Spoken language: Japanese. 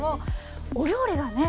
お料理がね